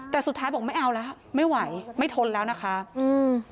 แต่สุดท้ายบอกไม่เอาแล้วไม่ไหวไม่ทนแล้วนะคะอืม